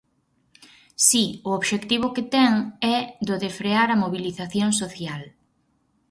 Si, o obxectivo que ten é do de frear a mobilización social.